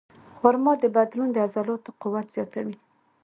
خرما د بدن د عضلاتو قوت زیاتوي.